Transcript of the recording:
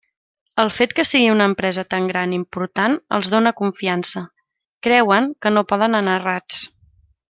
El fet que sigui una empresa tan gran i important els dóna confiança, creuen que no poden anar errats.